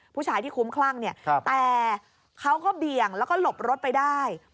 ผู้ชายที่คุ้มคลั่งเนี่ยแต่เขาก็เบี่ยงแล้วก็หลบรถไปได้